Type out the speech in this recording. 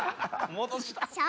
戻した。